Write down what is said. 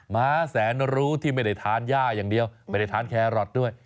ม้าแสนรู้ที่ไม่ได้ทานย่าอย่างเดียวไม่ได้ทานแครอทด้วย